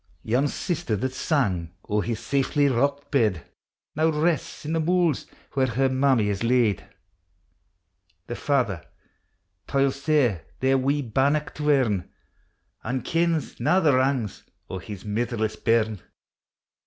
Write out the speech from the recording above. Yon sister that sang o'er his saftly rocked bed Now rests in the mools where her mammie is laid; The father toils sair their wee bannock to earn, An' kens na the wrangs o' his mitherless bairn.